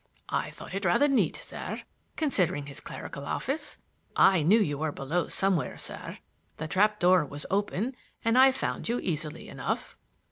I thought it rather neat, sir, considering his clerical office. I knew you were below somewhere, sir; the trap door was open and I found you easily enough."